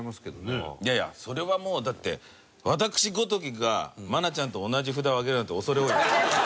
いやいやそれはもうだって私ごときが愛菜ちゃんと同じ札を上げるなんて恐れ多い。